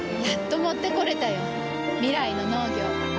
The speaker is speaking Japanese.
やっと持ってこれたよ。未来の農業。